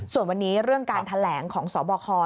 ส่วนวันนี้เรื่องการแถลงของสบค